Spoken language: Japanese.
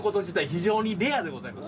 非常にレアでございます。